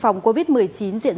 phòng covid một mươi chín diện rộng